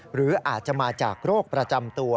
หรืออาจจะมาจากโรคประจำตัว